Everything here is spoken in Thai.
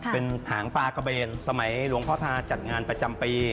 เป็นหางปลากระเบนสมัยหลวงพ่อธาจัดงานประจำปี